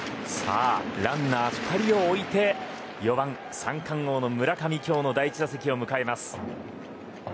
ランナー２人を置いて４番、三冠王の村上が今日の第１打席を迎えます。